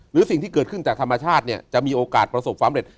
หรือสิ่งที่เกิดขึ้นจากธรรมชาติเนี่ยจะมีโอกาสประสบความเร็จ